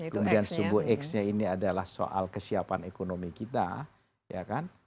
kemudian subuh x nya ini adalah soal kesiapan ekonomi kita ya kan